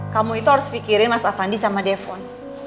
kamu itu harus fikirin mas avandi sama devon